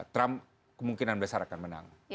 trump kemungkinan besar akan menang